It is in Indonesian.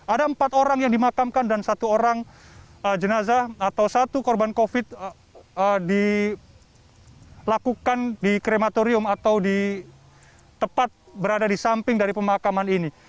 ada empat orang yang dimakamkan dan satu orang jenazah atau satu korban covid dilakukan di krematorium atau di tempat berada di samping dari pemakaman ini